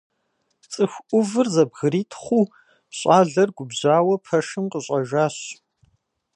Цӏыху ӏувыр зэбгритхъуу, щӏалэр губжьауэ пэшым къыщӀэжащ.